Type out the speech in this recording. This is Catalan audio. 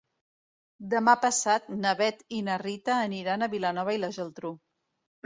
Demà passat na Bet i na Rita aniran a Vilanova i la Geltrú.